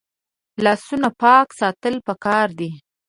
لاسونه پاک ساتل پکار دي